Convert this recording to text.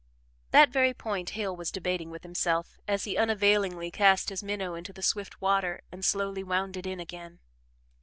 That very point Hale was debating with himself as he unavailingly cast his minnow into the swift water and slowly wound it in again.